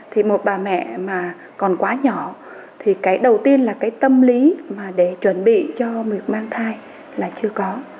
thì một bà mẹ mà còn quá nhỏ thì cái đầu tiên là cái tâm lý mà để chuẩn bị cho việc mang thai là chưa có